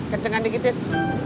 kecengkan dikit tis